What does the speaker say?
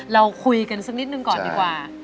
เราคุยกันสักนิดหนึ่งก่อนดีกว่า